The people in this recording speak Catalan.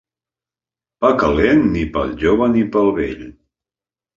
Pa calent, ni pel jove ni pel vell.